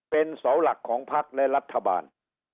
เป็นเสาหลักของภักดิ์และรัฐบาล